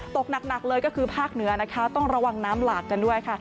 ตกหนักเลยก็คือภาคเหนือนะคะต้องระวังน้ำหลากกันด้วยค่ะ